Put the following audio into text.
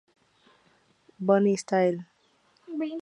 Bunny Style!